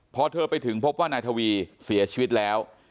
พอเธอไปถึงพบว่านายทวีเสียชีวิตแล้ว